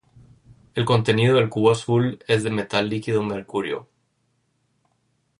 El contenido del cubo azul es de metal líquido mercurio.